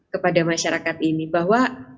kepada masyarakat ini bahwa